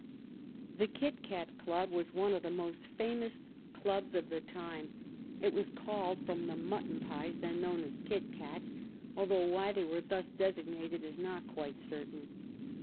The Kit Cat Club was one of the most famous clubs of the time. It was called from the mutton pies then known as Kit Cats, although why they were thus designated is not quite certain.